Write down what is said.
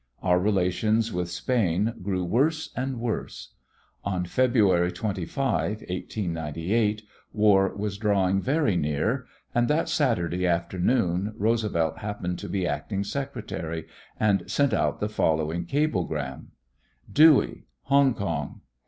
Our relations with Spain grew worse and worse. On February 25, 1898, war was drawing very near, and that Saturday after noon Roosevelt happened to be Acting Secretary, and sent out the following cablegram: Dewey Hongkong.